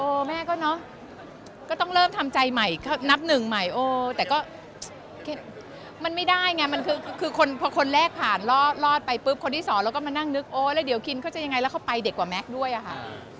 แม่ก็เนอะก็ต้องเริ่มทำใจใหม่นับหนึ่งใหม่โอ้แต่ก็มันไม่ได้ไงมันคือคนพอคนแรกผ่านรอดไปปุ๊บคนที่สองแล้วก็มานั่งนึกโอ้แล้วเดี๋ยวคินเขาจะยังไงแล้วเขาไปเด็กกว่าแม็กซ์ด้วยอะค่ะ